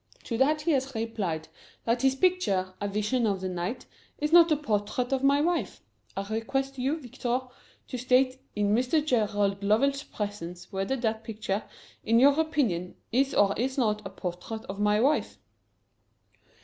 To that he has replied that his picture, 'A Vision of the Night,' is not a portrait of my wife. I request you, Victor, to state, in Mr. Gerald Lovell's presence, whether that picture, in your opinion, is or is not a portrait of my wife."